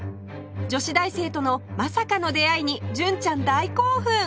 女子大生とのまさかの出会いに純ちゃん大興奮！